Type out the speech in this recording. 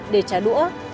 để trả đũa